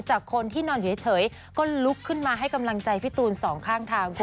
จากคนที่นอนอยู่เฉยก็ลุกขึ้นมาให้กำลังใจพี่ตูนสองข้างทาง